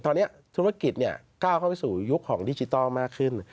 ตอนนี้ธุรกิจก้าวเข้าไปสู่ยุคของดิจิทัลมากขึ้น